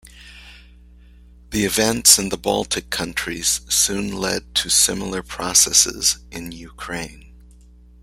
The events in the Baltic countries soon led to similar processes in Ukraine.